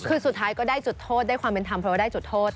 คือสุดท้ายก็ได้จุดโทษได้ความเป็นธรรมเพราะว่าได้จุดโทษ